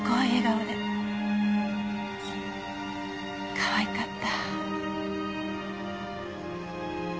かわいかった。